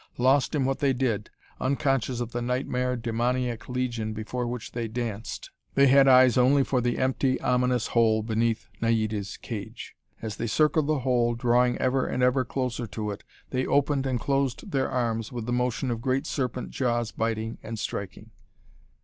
Lost in what they did, unconscious of the nightmare, demoniac legion before which they danced, they had eyes only for the empty, ominous hole beneath Naida's cage. As they circled the hole, drawing ever and ever closer to it, they opened and closed their arms with the motion of great serpent jaws biting and striking.